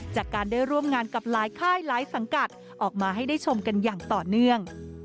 จากการได้ร่วมงานกับหลายค่ายหลายสังกัดออกมาให้ได้ชมกันอย่างต่อเนื่อง